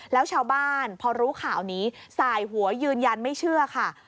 แล้วชาวบ้านพอรู้ข่าวนี้สายหัวยืนยันไม่เชื่อค่ะ